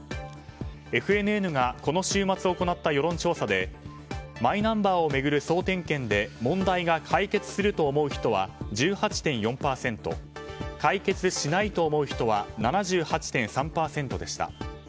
ＦＮＮがこの週末行った世論調査でマイナンバーを巡る総点検で問題が解決すると思う人は１８．４％。解決しないと思う人は７８．３％でした。